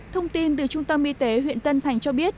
thông tin từ trung tâm y tế huyện tân thành cho biết